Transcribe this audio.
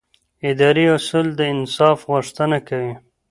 اداري اصول د انصاف غوښتنه کوي.